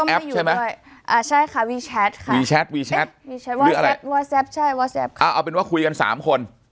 ใช่ไหมอ่าใช่ค่ะค่ะค่ะค่ะหรืออะไรใช่ค่ะอ่าเอาเป็นว่าคุยกันสามคน